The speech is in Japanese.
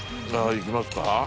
いきますか？